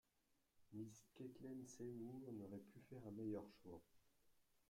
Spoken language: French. Mrs Kethlen Seymour n’aurait pu faire un meilleur choix…